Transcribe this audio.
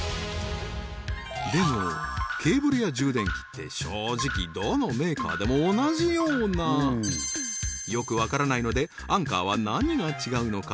でもケーブルや充電器って正直どのメーカーでも同じようなよくわからないのでアンカーは何が違うのか？